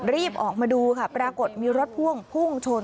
รีบออกมาดูค่ะปรากฏมีรถพ่วงพุ่งชน